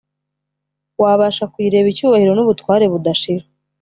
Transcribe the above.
wabasha kuyireba icyubahiro n ubutware budashira